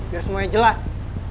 biar semuanya jelas